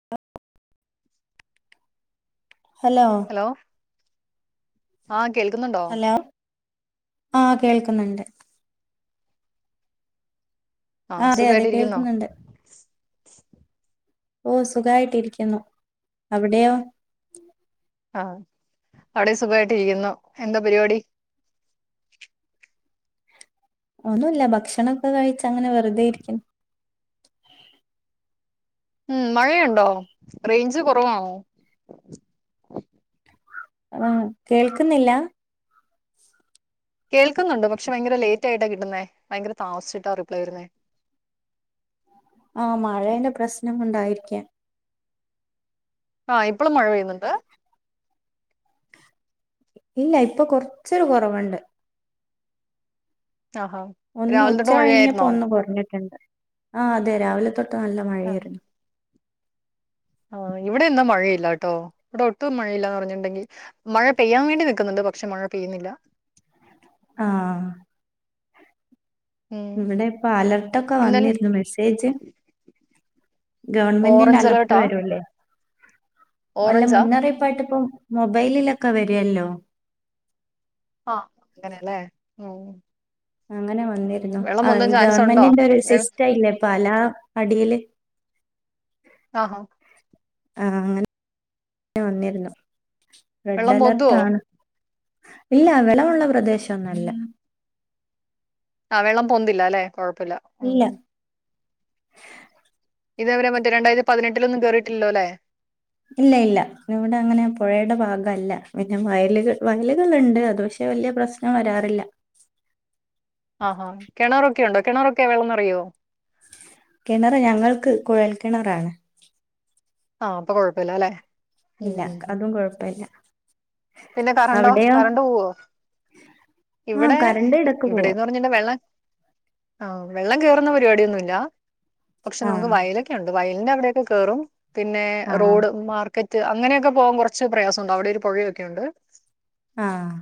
അ ആ. ഹലോ. ലോ ആഹ് കേൾക്കുന്നൊണ്ടോ ആഹ് കേൾക്കുന്നൊണ്ട്. ആ ആഹ് അതെ അതെ സുഖായിട്ടിരിക്കുന്നോ കേൾക്കുന്നൊണ്ട്. ഓ സുഖായിട്ടിരിക്കുന്നു അവിടെയോ ആഹ് അവിടെ സുഖായിട്ട് ഇരിക്കുന്നു എന്താ പരിപാടി? ഒന്നുല്ല ഭക്ഷണൊക്കെ കഴിച്ച് അങ്ങനെ വെറുതെ ഇരിക്കുന്നു. ഉം മഴയുണ്ടോ റൈഞ്ച് കൊറവാണോ ആഹ് കേൾക്കുന്നില്ല കേൾക്കുന്നൊണ്ട് പക്ഷെ ഭയങ്കര ലേറ്റായിട്ടാ കിട്ടുന്നേ ഭയങ്കര താമസ്ച്ച്ട്ടാ റിപ്ലൈ വെരുന്നേ. ആഹ് മഴേന്റെ പ്രശ്നം കൊണ്ടായിരിക്കാം. ആ ഇപ്പളും മഴ പെയ്യുന്നൊണ്ട്. ഇല്ല ഇപ്പൊ കൊറച്ചൊരു കൊറവൊണ്ട്. താഹാ. ഒന്ന് ഉച്ച കഴിഞ്ഞപ്പോ ഒന്ന് കൊറഞ്ഞിട്ടൊണ്ട് ആ അതെ രാവിലെ തൊട്ട് നല്ല മഴയായിരുന്നു. ആ ഇവിടെന്നും മഴയില്ലാട്ടോ ഇവിടെ ഒട്ടും മഴയില്ലാന്നർഞ്ഞ്ണ്ടെങ്കി. മഴ പെയ്യാൻ വേണ്ടി നിക്കുന്നൊണ്ട് പക്ഷെ മഴ പെയ്യ്ന്നില്ല. ആഹ്. ഉം ഇവിടെ ഇപ്പൊ അലർട്ടൊക്ക ഇന്നലെ വന്നിരുന്നു മെസ്സേജ്. ഗവൺമെന്റിന്റെ ഓറഞ്ച് അലർട്ട് അലേർട്ടാ വരൂല്ലേ? വല്ല ഓറഞ്ചാ മുന്നറിയിപ്പായിട്ട് ഇപ്പൊ മൊബൈലിലൊക്കെ വരുവല്ലോ. ആഹ് അങ്ങനേല്ലേ ഉം. അങ്ങനെ വന്നിരുന്നു വെള്ളം ആ പൊന്താൻ ഈ ചാൻസ് ഉണ്ടോ ഗവണ്മെന്റിന്റെ ഒരു വെ സിസ്റ്റയില്ലേ പല അടിയില്. ആ ഹാ. ആഹാ അങ്ങനെ വന്നിരുന്നു. റെഡ് വെള്ളം പൊന്തുവോ? അലർട്ടാണ് ഇല്ല വെലമൊള്ള പ്രദേശൊന്നല്ല. ആ വെള്ളം പൊന്തില്ലാല്ലെ കൊഴപ്പില്ല. ഇല്ല. ഇതേ വരെ മറ്റേ രണ്ടായിരത്തി പതിനെട്ടിലൊന്നും കേറിയിട്ടില്ലല്ലോല്ലേ? ഇല്ല ഇല്ല ഇവിടെ അങ്ങനെ പുഴയുടെ ഭാഗല്ല പിന്നെ വയലുകൾ വയലുകളുണ്ട് അത് പക്ഷെ വലിയ പ്രശ് വരാറില്ല. ആഹ് ആഹ് കിണറൊക്കെ ഉണ്ടോ കിണറൊക്കെ വെള്ളം നിറയോ? കിണറ് ഞങ്ങൾക്ക് കുഴൽ കിണറാണ്. ആഹ് അപ്പൊ കൊഴപ്പില്ലലേ. ഇല്ല അതും കൊഴപ്പില്ല. പിന്നെ കറണ്ടോ കറണ്ട് പോവോ? ആ ഇവിടെ കറണ്ട് ഇടക്ക് പോവും ഇവിടെന്ന് പറ [unintelligible] വെള്ളം ആഹ് വെള്ളം കേറുന്ന പരിപാടിയൊന്നും ഇല്ല പക്ഷെ ആ നമ്മുക്ക് വയ ലൊക്കെണ്ട് വയലിന്റെ അവിടൊക്കെ കേറും പിന്നെ ആ റോഡ് മാർ ക്കറ്റ് അങ്ങനെയൊക്കെ പോകാൻ കുറച്ച് പ്രയാസം ഉണ്ട് അവിടെ ഒരു പുഴയൊക്കെ ഉണ്ട് ആഹ്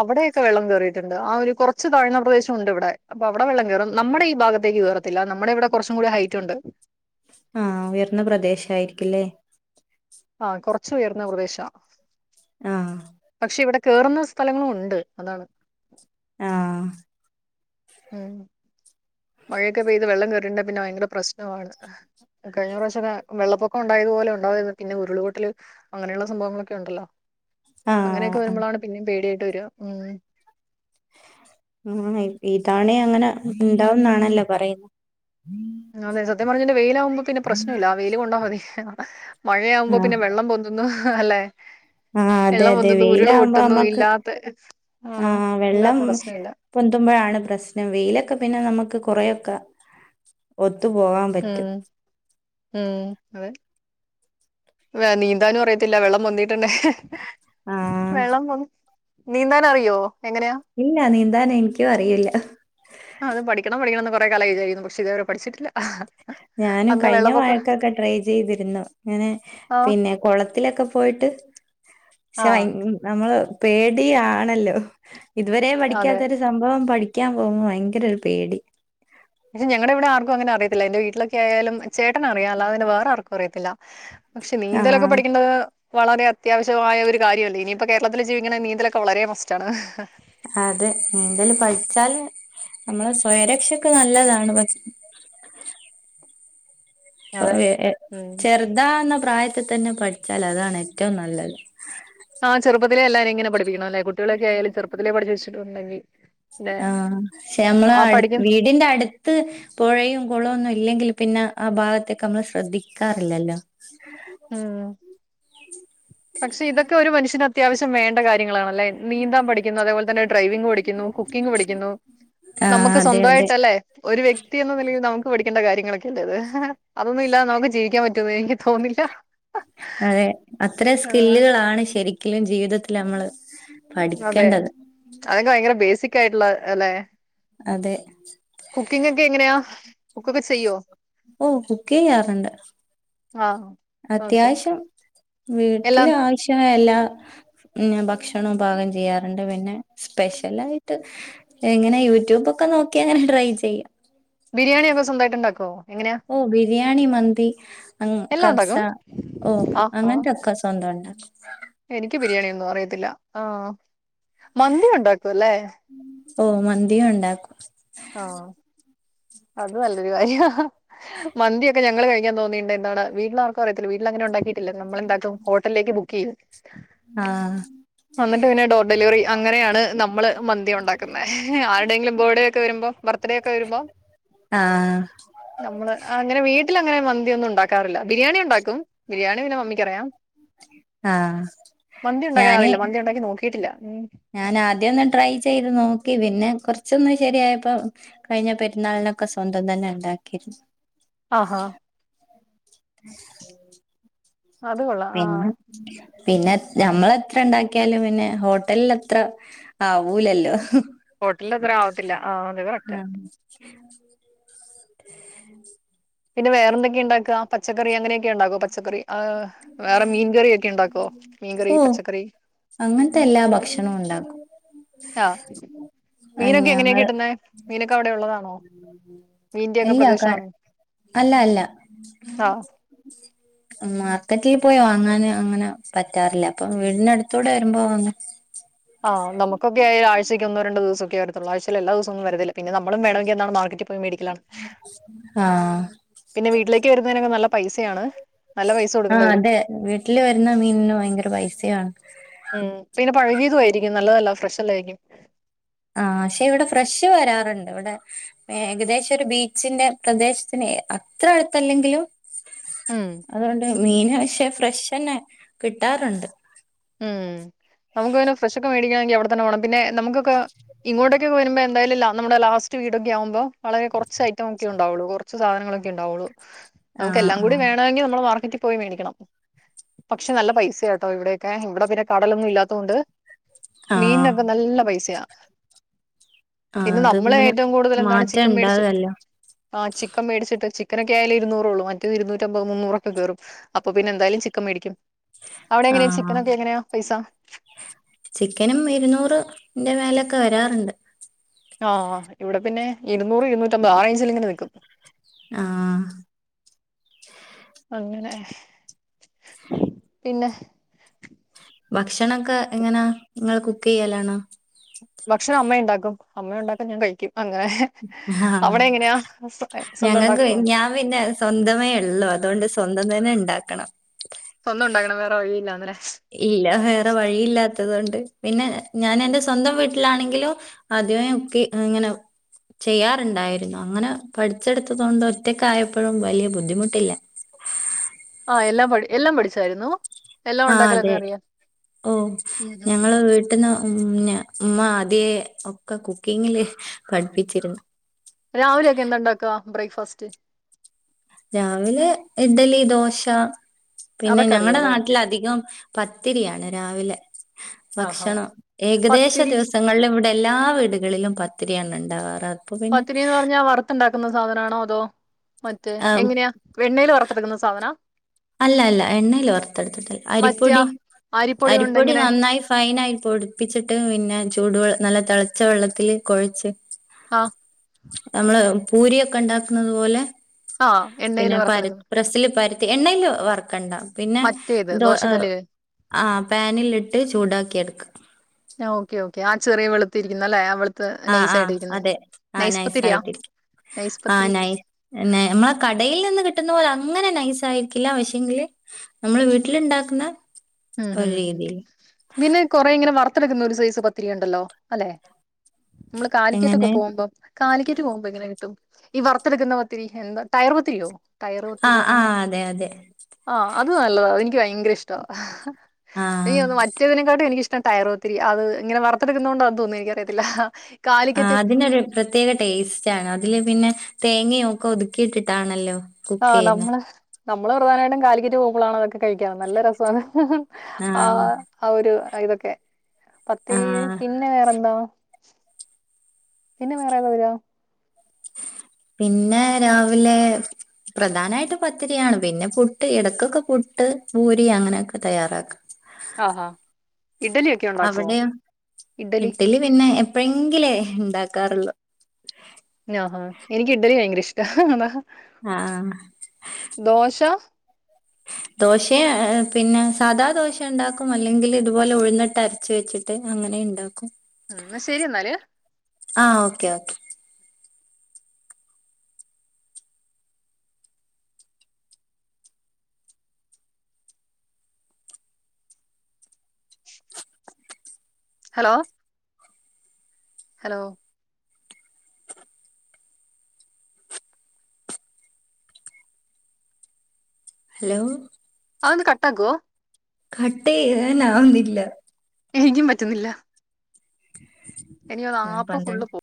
അവിടെയൊക്കെ വെള്ളം കേറിയിട്ടുണ്ട് ആ ഒരു കുറച്ച് താഴ്ന്ന പ്രദേശം ഉണ്ട് ഇവിടെ അപ്പൊ അവിടെ വെള്ളം കയറും നമ്മടെ ഈ ഭാഗത്തേക്ക് കയറത്തില്ല നമ്മുടെ ഇവിടെ കുറച്ചും കൂടി ഹൈറ്റുണ്ട് ആഹ് ഉയർന്ന പ്രദേശായിരിക്കില്ലേ ആഹ് കുറച്ച് ഉയർന്ന പ്രദേശാ ആഹ് പക്ഷെ ഇവിടെ കേറുന്ന സ്ഥലങ്ങളും ഉണ്ട് അതാണ് ആഹ് ഉം മഴയൊക്കെ പെയ്ത് വെള്ളം കയറിട്ട്ണ്ടെ പിന്നെ ഭയങ്കര പ്രശ്നമാണ് കഴിഞ്ഞ പ്രാവശ്യക്കെ വെള്ളപ്പൊക്കണ്ടായതുപോലെ ഉണ്ടായി പിന്നെ ഉരുൾപൊട്ടല് അങ്ങനെയുള്ള സംഭവങ്ങളൊക്കെണ്ടല്ലോ ആ അങ്ങനെയൊക്കെ ആ വരുമ്പോഴാണ് പിന്നേയും പേടിയായിട്ട് വരാ ഉം [unintelligible] ഉണ്ടാവുന്നാണല്ലോ പറയുന്ന അതെ സത്യം പറഞ്ഞന്റെ വെയിലാവുമ്പോ പിന്നെ പ്രശ്നല്ല വെയില് കൊണ്ടാ മതി മഴയാവുമ്പോ ആഹ് പിന്നെ വെള്ളം പൊ [unintelligible] അല്ലേ ആ അതെ വെള്ളം അതെ പൊന്തുന്നു ഉരുൾ വെയിലാകുമ്പോ പൊട്ടുന്നു നമ്മക്ക് ഇല്ലാത്ത ആഹ് ഇല്ലാത്ത പ്രശ്ന ഇല്ല പൊന്തുമ്പോഴാണ് പ്രശ്നം വെയിലൊക്കെ പിന്നെ നമ്മുക്ക് കുറേയൊക്കെ ഒത്തു പോകാൻ ഉം പറ്റും ഉം അതെ നീന്താനും അറിയത്തില്ല വെള്ളം പൊന്തിട്ടുണ്ടെ ആഹ് വെള്ളം നീന്താൻ അറിയോ എങ്ങനെയാ ഇല്ല നീന്താൻ എനിക്കും അറിയില്ല ആഹ് അത് പഠിക്കണം പഠിക്കണന്ന് കുറേ കാലായി വിചാരിക്കുന്നു പക്ഷേ ഇതുവരെ പഠിച്ചിട്ടില്ല ഞാനും അന്ന് കഴിഞ്ഞ വെള്ളപ്പൊക്കം മഴക്കൊക്കെ ട്രൈ ചെയ്തിരുന്നു ഇങ്ങനെ ആ പിന്നെ കുളത്തിലൊക്കെ പോയിട്ട് ആ പക്ഷെ നമ്മള് പേടിയാണല്ലോ ഇതുവരെ അതെ. പഠിക്കാത്തൊരു സംഭവം പഠിക്കാൻ പോകുമ്പോ ഭയങ്കര ഒരു പേടി പക്ഷെ ഞങ്ങളുടെ ഇവിടെ ആർക്കും അങ്ങനെ അറിയത്തില്ല എന്റെ വീട്ടിലക്കെയാലും ചേട്ടനറിയാം അല്ലാതെ പിന്നെ വേറെ ആർക്കും അറിയത്തില്ല പക്ഷെ നീന്തലൊക്കെ ആഹ് പഠിക്കേണ്ടത് വളരെ അത്യാവശ്യമായ ഒരു കാര്യാണ് ഇനിയിപ്പോ കേരളത്തില് ജീവിക്കണെങ്കി നീന്തലൊക്കെ വളരെ മസ്റ്റാണ് അതെ നീന്തല് പഠിച്ചാല് നമ്മള് സ്വയംരക്ഷക്ക് നല്ലതാണ് പക്ഷേ അതെ. ഉം. ചെറുതാന്ന പ്രായത്തിൽ തന്നെ പഠിച്ചാൽ അതാണ് ഏറ്റവും നല്ലത് ആഹ് ചെറുപ്പത്തിലെ എല്ലാരെയും ഇങ്ങനെ പഠിപ്പിക്കണല്ലെ കുട്ടികളക്കെയാലും ചെറുപ്പത്തിലെ പഠിച്ച് വെച്ചിട്ടുണ്ടങ്കിൽ ആഹ് ക്ഷെ നമ്മള ആ വീടിന്റെ അട് ത്ത് പുഴയും കുളൊന്നുംല്ലെങ്കിൽ പിന്നെ ആ ഭാഗത്തേക്ക് നമ്മൾ ശ്രദ്ധിക്കാറില്ലല്ലോ. [inaudible] ഉം പക്ഷെ ഇതൊക്കെ ഒരു മനുഷ്യന് അത്യാവശ്യ വേണ്ട കാര്യങ്ങളണല്ലേ നീന്താ പഠിക്കുന്നത് അതേപോലെന്നെ ഡ്രൈവിംങ് പഠി ക്ക്യുന്നു കുക്കിം ഗ്‌ പഠിക്കുന്നു ആഹ് നമക്ക് അതെ അതെ സ്വന്തായിട്ടലെ? ഒരു വ്യക്തി എന്ന നിലയിൽ നമുക്ക് പഠിക്കണ്ട കാര്യങ്ങളൊക്കെല്ലേത് അതൊന്നും ഇല്ലാ നമുക്ക് ജീവിക്ക്യാൻ പറ്റുന്ന് എനിക്ക് തോന്ന് ല്ല്യ. ആ അതെ അത്ര സ്കില്ല്കളാണ് ശരിക്ക്ലും ജീവിതത്തില് നമ്മള്. അതെ പഠിക്കേണ്ടത് അതക്കെ ഭയങ്കര ബേസിക് ആയിട്ട്ള്ള അല്ലെ? അതെ. കുക്കിംങ്ങ് ഒക്കെ എങ്ങനെയാ കുക്കൊക്കെ ചെയ്യോ? ഓ കുക്കെയ്യാറ്ണ്ട്. ആഹ്. അത്യാവശ്യം എല്ലാം വീട്ടിലാവശ്യമേ എല്ലാം ഞാ ഭക്ഷണം പാകം ചെയ്യാറ്ണ്ട് പിന്നെ സ്പെഷ്യലാ യ്‌ട്ട് എങ്ങനെ യൂട്യൂബൊക്കെ നോക്ക്യാ അങ്ങനെ ട്രൈ ചെയ്യും. ബിരിയാണി ഒക്കെ സ്വന്തായിട്ട് ഇണ്ടാക്കോ? ഓഹ് ബിരിയാണി, മന്തി, എല്ലാം കബ്സ ഉണ്ടാക്കും ഓഹ് ആ ആ അങ്ങൻത്തൊക്കെ സ്വന്തം ഉണ്ടക്കും. എനിക്ക് ബിരിയാണിയൊന്നും അറിയത്തില്ല ആ മന്തി ഉണ്ടാക്കൂ ല്ലേ? ഓഹ് മന്തി ഉണ്ടാക്കും. ആഹ്. അത് നല്ലൊരു കാര്യാ. മന്തിയൊക്കെ ഞങ്ങള് കഴിക്ക്യാൻ തോന്നിണ്ട് എന്താണ് വീട്ടിലാർക്കും അറിയത്തില്ല വീട്ടിൽ അങ്ങന ഉണ്ടാക്കി ട്ടില്ല നമ്മളെന്താക്കും ഹോട്ടലേക്ക് ബുക്കെയ്യും. ആഹ്. എന്നിട്ട് പിന്നെ ഡോ ഡെലിവറി അങ്ങനെയാണ് നമ്മള് മന്തി ഉണ്ടാക്കുന്നേ ആര്ടെങ്കിലും ബേഡേ ഒക്കെ വരുമ്പ ബർത്ത്ഡേ ഒക്കെ വരുമ്പോ ആഹ്. നമ്മള് അങ്ങനെ വീട്ടിലങ്ങനെ മ ന്ത്യന്നും ഉണ്ടാക്കാറില്ല ബിരിയാണി ഉണ്ടാക്കും ബിരിയാണി പിന്നെ മമ്മിക്കറിയാം. ആഹ് മന്തി ഉണ്ടാക്കാൻ ഞാന് അറില്ല മന്തി ഉണ്ടാക്കി നോക്കിട്ടില്ല ഉം. ഞാൻ ആദ്യ ഒന്ന് ട്രൈ ചെയ്ത് നോക്കി പിന്നെ കൊർച്ചൊന്ന് ശരി ആയപ്പോ കയ്ഞ്ഞ പെര്ന്നാൾനൊക്കെ സ്വന്തം തന്നെ ഇണ്ടാക്കിയിര് ആഹാ. അത് കൊള്ളാം. ആഹ് പിന്നെ പിന്നെ നമ്മളെത്ര ഇണ്ടാക്ക്യാലും പിന്നെ ഹോട്ടലത്ര ആ ഊലല്ലോ. ഹോട്ടലത്ര ആവത്തില്ല ആഹ് അത് കറക്റ്റ. പിന്നെ വേറെന്തൊക്കെ ഇണ്ടാക്ക പച്ചക്കറി അങ്ങനെയൊക്കെ ഇണ്ടാക്കോ പച്ചക്കറി? വേറെ മീൻകറി ഒക്കെ ഇണ്ടാക്കോ? മീൻകറി പച്ചക്കറി? അങ്ങൻത്തെ എല്ലാ ഭക്ഷണും ഇണ്ടാക്കും. ആഹ്. അഹ് മീനൊക്കെ എങ്ങനെ ഞങ്ങള് കിട്ട്ന്നെ മീനൊക്കെ അവ്ടെ ഉള്ളതാണോ? മീന്റെക്കെ എല്ലാ ക പ്രദേശാആണോ? അല്ല അല്ല മാ ക്കറ്റീ പോയി വാങ്ങാന് അങ്ങനെ പറ്റാറില്ല അപ്പൊ വീടിനടുത്തൂടെ വരുമ്പോ വാങ്ങും. ആഹ് നമുക്കൊക്കെ ആഴ്ചക്കൊന്നോ രണ്ടോ ദിവസൊക്കെ വരത്തുള്ളൂ ആഴ്ച്ചേല് എല്ലാ ദെവസൊന്നു വരത്തില്ല പിന്ന നമ്മളും വേണമെങ്കി എന്താണ് മാർക്കറ്റി പോയി മേടിക്കലാണ്. ആഹ് പിന്നെ വീട്ടിലേക്ക് വരുന്നതിനൊക്കെ നല്ല പൈസയാണ് നല്ല പൈസ കൊടുക്ക ആഹ് അതെ വീട്ടില് വരുന്ന മീന്ന് ഭയങ്കര പൈസയാണ്. ഉം പിന്നെ പഴകിയതു ആയിരിക്കും നല്ലതല്ല ഫ്രഷല്ലായിരിക്കും. ആഹ് ക്ഷെ ഇവിടെ ഫ്രഷ് വരാറുണ്ട് വിടെ ഏകദേശൊരു ബീച്ചിന്റെ പ്രദേശത്തിന് അത്ര അടുത്തല്ലെങ്കിലും ഉം അതുകൊണ്ട് മീന് പക്ഷെ ഫ്രഷെന്നെ കിട്ടാറുണ്ട്. ഉം നമുക്ക് പിന്നെ ഫ്രഷൊക്കെ മേടിക്കണെങ്കി അവിടെ തന്നെ പോണം പിന്നെ നമുക്കൊക്കെ ഇങ്ങോട്ട് റ്റ് വരുമ്പോ എന്തായാലുംല്ല നമ്മുടെ ലാസ്റ്റ് വീടൊക്കെ ആകുമ്പോ വളരെ കൊറച്ച് ഐറ്റം ഒക്കെ ഉൺ ണ്ടാവുള്ളു. കൊർച്ച് സാധനങ്ങളൊക്കെ ണ്ടാവുള്ളൂ ആഹ് നമുക്കെല്ലാം കൂടി വേ ണെങ്കി നമ്മള മാർക്കറ്റി പോയി മേടിക്കണം. പക്ഷെ നല്ല പൈസയാ ട്ടോ ഇവിടെ ക്കെ ഇവിടെ പിന്നെ കടലൊന്നും ഇല്ലാത്തോണ്ട് ആഹ് ആഹ് മീന്നൊക്ക നല്ല പൈസയ. ആഹ് പിന്നെ നമ്മള് അതിങ്ങനെ ഏറ്റവും കൂടുതലെന്താണ് മാറ്റം ചിക്കൻ മേടിച്ച് ഇണ്ടാവല്ലോ ആഹ് ചിക്കൻ മേടിച്ചിട്ട് ചിക്കനൊക്കെയാല് ഇരുന്നൂറേ ള്ളു മറ്റഅ് ഇരുന്നൂറ്റമ്പത് മൂന്നുറൊക്കെ കേറും. അപ്പൊ പിന്നെ എന്തായാലും ചിക്കൻ മേടിക്കും. അവിടെ എങ്ങനെ ആഹ് ചിക്കനൊക്കെ എങ്ങനെയാ പൈസ? ചിക്കനും ഇരുന്നൂറ് ന്റെ മേലൊക്കെ വരാറുണ്ട്. ആഹ് ഇവടെ പിന്നെ ഇരൂന്നുറ് ഇരുന്നൂറ്റമ്പത് ആ റേഞ്ചിൽ ഇങ്ങനെ നിക്കും. ആഹ്. അങ്ങനെ പിന്നെ. ഭക്ഷണൊക്കെ എങ്ങനാ ങ്ങൾ കുക്കെയ്യാലാണോ? ഭക്ഷണം അമ്മയുണ്ടാക്കും അമ്മ ഉണ്ടാക്കാൻ ഞാൻ കഴിക്കും അങ്ങനെ. ആഹ് അവിടെ എങ്ങനെയാ സ്വന്തം ഞങ്ങക്ക് ഉണ്ടാക്കുവോ ഞാം പിന്നെ സ്വന്തമേ ഉള്ളൂ അതുകൊണ്ട് സ്വന്തം തന്നെ ണ്ടാക്കണം. സ്വന്തം ഉണ്ടാക്കണം വേറെ വഴിയില്ലാന്ന്‌ല്ലെ ഇല്ല വേറെ വഴിയില്ലാത്തത് കൊണ്ട് പിന്നെ ഞാനെന്റെ സ്വന്തം വീട്ടിലാണെങ്കിലും. ആദ്യവേ കുക്കി അങ്ങനെ. ചെയ്യാറുണ്ടായിരുന്നു അങ്ങനെ പഠിച്ചെടുത്തത് കൊണ്ട് ഒറ്റക്കാ യപ്പഴും വലിയ ബുദ്ധിമുട്ടില്ല. ആഹ് എല്ലാം പട് എല്ലാം പഠിച്ചതായിരുന്നോ? ആഹ് അതെ ഓഹ്‌ ഉം ഉം ഞങ്ങള് വീ ട്ട്ന്ന് ന്ന മ്മ ആദ്യേ ഒക്കെ കുക്കിങ്ങില് പഠിപ്പിച്ചിരുന്നു. രാവിലെയൊക്കെന്താ ണ്ടാക്ക ബ്രേക്ക്ഫാസ്റ്റ്? രാവിലെ ഇഡ്ഡലി, ദോശ. പിന്നെ അതൊക്കെ ഞങ്ങടെ അറിയാല്ലേ നാട്ടിലധികം പത്തിരിയാണ് രാവിലെ. ആഹാ ഭക്ഷണം ഏകദേശ പത്തിരി ദിവസങ്ങളില് വിട് ടെല്ലാ വീടുകളിലും പത്തിരിയാണ് ണ്ടാവാറ പത്തിരിന്ന് പറഞ്ഞാ വറുത്തണ്ടാക്കുന്ന സാധനാണോ അതോ മറ്റേ ആഹ് എങ്ങനെയാ. വെണ്ണയില് വറത്തെടുക്കുന്ന സാധനാ? അല്ല അല്ല എണ്ണേല് വറത്തെടുത്തിട്ട മറ്റേ ആ അരിപ്പൊടി കൊണ്ട് അരിപ്പൊടി ഇങ്ങനെ നന്നായി ഫൈനായി പൊടിപ്പിച്ചിട്ട് പിന്നെ ചൂടുവെൾ നല്ല തെളച്ച വെള്ളത്തില് കൊഴച്ച്. ആഹ്. നമ്മള് പൂരിയൊക്ക ണ്ടാക്കുന്നത് പോലെ ആ എണ്ണയിൽ പിന്നെ പര വറുത്തെടുക്കുന്ന പ്രസ്സില് പരത്തി എണ്ണയില് വർക്കണ്ട. പിന്നെ മറ്റേത് ത് ഇഹ് ദോശക്കല്ലില് ആ പാനിലിട്ട് ചൂടാക്കി എടുക്കാം ഓക്കെ ഓക്കെ ആ ചെറിയ വെളുത്തിരിക്കുന്നല്ലേ ആഹ് വെളു ആഹാ ആഹ് അതെ ആ നൈസ് പത്തിരിയാ ആയിട്ട് നൈസ് ആഹ് പത്തിരി നൈസ് ന്നെ നമ്മളെ കടയിൽ നിന്ന് കിട്ടുന്ന പോലെ അങ്ങനെ നൈസ് ആയിരിക്കില്ല പക്ഷെങ്കില് നമ്മള് വീട്ടിലിണ്ടാക്കുന്ന ഉം ഉം പിന്നെ കൊറെ ഇങ്ങനെ വറത്തെടുക്കുന്ന ഒരു സൈസ് പത്തിരി ഉണ്ടല്ലോ അല്ലെ നമ്മള് കാലിക്കറ്റൊക്കെ എങ്ങനെ പോകുമ്പം കാലിക്കറ്റ് പോകുമ്പോ ഇങ്ങനെ കിട്ടും ഈ വറത്തെടുക്കുന്ന പത്തിരി എന്താ ടയർ പത്തിരിയോ ആഹ് ആഹ് അതെ അതെ ആഹ് അത് നല്ലതാ എനിക്ക് ഭയങ്കര ഇഷ്ടാ ആഹ് ഇനി ഒന്ന് മറ്റേതിനെക്കാട്ടി എനിക് ഇഷ്ടം ടയർ പത്തിരി അത് ഇങ്ങനെ വറത്തെടുക്കുന്ന കൊണ്ട് ആന്തോന്ന് എനിക്കറിയത്തില്ല കാലിക്കറ്റ് ആതിനെ പ്രത്യേക ടേസ്റ്റ് ആണ് അതില് പിന്നെ തേങ്ങയൊക്കെ ഒതുക്കിയിട്ടിട്ടാണല്ലോ കുക്ക് ആഹ് ചെയ്യുന്നെ നമ്മള് നമ്മള് പ്രധാനമായിട്ടും കാലിക്കറ്റ് പോമ്പളാണ് അതൊക്കെ കഴിക്കാറ് നല്ല രസമാണ് ഹ് ഹ് ആ ആഹ് ആഹ് ഒരു ഇതൊക്കെ പത്തിരി ആ പിന്നെ വേറെന്താ പിന്നെ വേറെ ഏതാ വരാ പിന്നെ രാവിലെ പ്രധാനമായിട്ട് പത്തിരിയാണ് പിന്നെ പുട്ട് ഇടക്കൊക്കെ പുട്ട് പൂരി അങ്ങനെയൊക്കെ തയ്യാറാക്കും ആഹ് ആഹ് ഇഡ്ഡലിയെ അവിടെയോ ഇഡലി പിന്നെ എപ്പോഴെങ്കിലേ ഇണ്ടാക്കാറുള്ളൂ നാ ഹാ എനിക്ക് ഇഡലി ഭയങ്കര ഇഷ്ട എന്നാ ആഹ് ആഹ് ദോശ ദോശ പിന്നെ സാദാ ദോശ ഇണ്ടാക്കും അല്ലെങ്കിൽ ഇതുപോലെ ഉഴുന്നിട്ട് അരച് വെച്ചി ട്ട് അങ്ങനെ ഉണ്ടാക്കും ഉം ശരി എന്നാല് ആഹ് okay okay hello hello hello അത് ഒന്ന് കട്ടാകൂ കട്ട് ചെയ്യാനാവുന്നില്ല എനിക്കും പറ്റുന്നില്ല എനി ആ ആപ്പ് പന്ത്രണ്ട് ഫുള്ള് പോ